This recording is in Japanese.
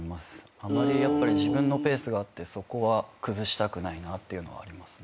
自分のペースがあってそこは崩したくないなっていうのはありますね。